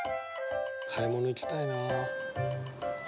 買い物行きたいな。